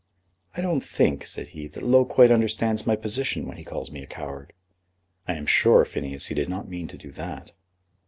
"I don't think," said he, "that Low quite understands my position when he calls me a coward." "I am sure, Phineas, he did not mean to do that."